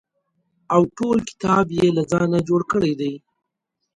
او ټول کتاب یې له ځانه جوړ کړی دی.